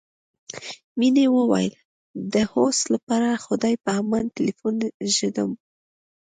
مينې وويل د اوس لپاره خدای په امان ټليفون ږدم.